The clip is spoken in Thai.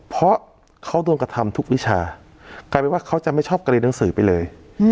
เพราะเขาโดนกระทำทุกวิชากลายเป็นว่าเขาจะไม่ชอบการเรียนหนังสือไปเลย